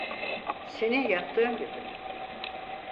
Senin yaptığın gibi.